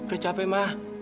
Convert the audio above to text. dia capek ma